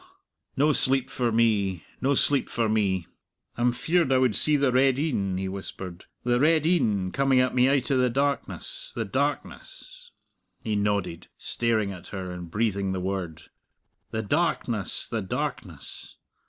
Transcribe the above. No sleep for me no sleep for me! I'm feared I would see the red een," he whispered, "the red een, coming at me out o' the darkness, the darkness" he nodded, staring at her and breathing the word "the darkness, the darkness!